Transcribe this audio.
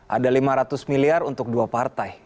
ada lima ratus miliar untuk dua partai